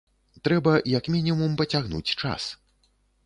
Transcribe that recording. Трэба як мінімум пацягнуць час.